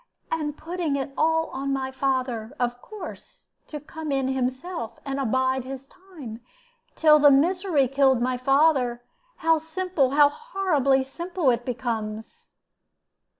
And putting it all on my father, of course, to come in himself, and abide his time, till the misery killed my father. How simple, how horribly simple, it becomes!"